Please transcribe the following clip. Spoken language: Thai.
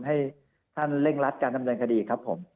ให้ท่านเร่งรัดการดำเนินคดีครับผม